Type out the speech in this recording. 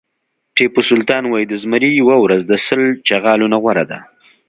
ټيپو سلطان وایي د زمري یوه ورځ د سل چغالو نه غوره ده.